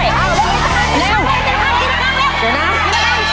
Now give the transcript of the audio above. เร็ว